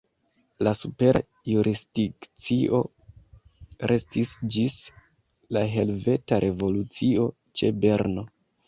La supera jurisdikcio restis ĝis la Helveta Revolucio ĉe Berno.